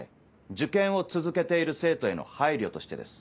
受験を続けている生徒への配慮としてです。